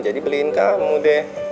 jadi beliin kamu deh